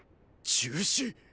中止。